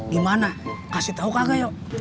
dimana kasih tau kagak yuk